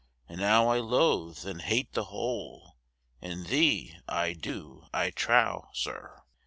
And now I loathe and hate the hole In thee, I do, I trow, sir.